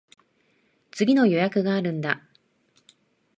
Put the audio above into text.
次の予約があるんだ。